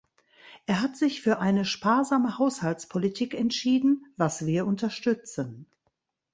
Er hat sich für eine sparsame Haushaltspolitik entschieden, was wir unterstützen.